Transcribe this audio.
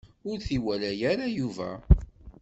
Ur t-iwala ara Yuba.